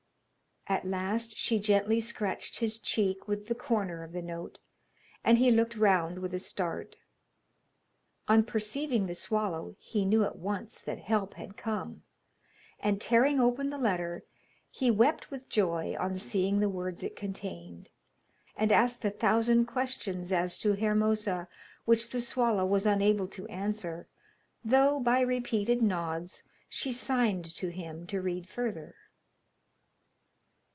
At last she gently scratched his cheek with the corner of the note, and he looked round with a start. On perceiving the swallow he knew at once that help had come, and tearing open the letter, he wept with joy on seeing the words it contained, and asked a thousand questions as to Hermosa, which the swallow was unable to answer, though, by repeated nods, she signed to him to read further.